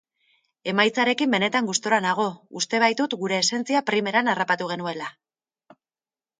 Emaitzarekin benetan gustura nago, uste baitut gure esentzia primeran harrapatu genuela.